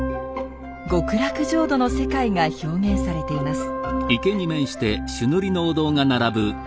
極楽浄土の世界が表現されています。